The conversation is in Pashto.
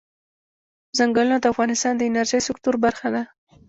چنګلونه د افغانستان د انرژۍ سکتور برخه ده.